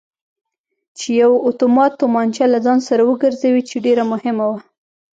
چې یوه اتومات تومانچه له ځان سر وګرځوي چې ډېره مهمه وه.